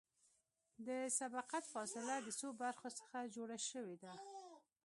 د سبقت فاصله د څو برخو څخه جوړه شوې ده